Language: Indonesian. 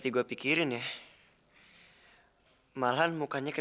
bap nya lancar gak